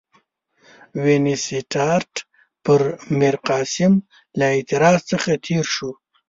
وینسیټیارټ پر میرقاسم له اعتراض څخه تېر شو.